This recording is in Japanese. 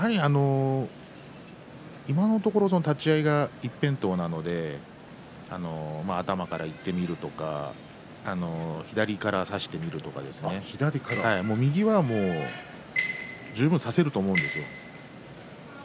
やはり今のところは立ち合いの一辺倒なので頭からいっているとか左から差してみるとか右は十分にさせると思います。